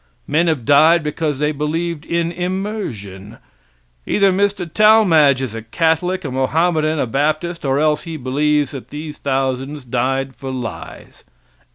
Men have died because they believed in immersion. Either Mr. Talmage is a Catholic, a Mohammedan, a Baptist, or else he believes that these thousands died for lies.